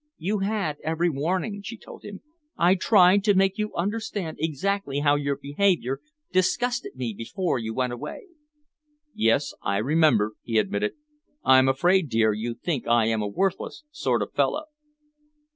"You had every warning," she told him. "I tried to make you understand exactly how your behaviour disgusted me before you went away." "Yes, I remember," he admitted. "I'm afraid, dear, you think I am a worthless sort of a fellow."